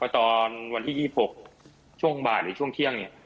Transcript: ตอนวันที่๒๖ช่วงบาทหรือช่วงะเที่ยง